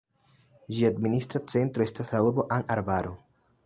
Ĝia administra centro estas la urbo An-Arbaro.